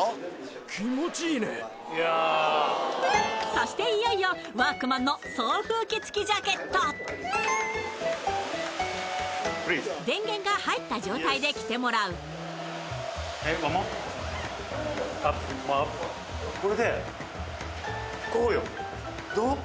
そしていよいよワークマンの電源が入った状態で着てもらうこれでこうよどう？